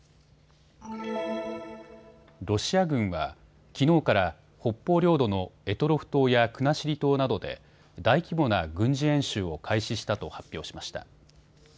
ロシア軍は、きのうから北方領土の択捉島や国後島などで大規模な軍事演習を開始したと発表しました。